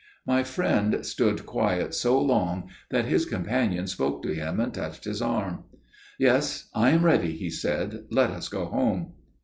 'My friend stood quiet so long that his companion spoke to him and touched his arm. "'Yes, I am ready,' he said; 'let us go home.